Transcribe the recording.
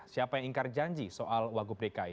siapa yang ingkar janji soal wagub dki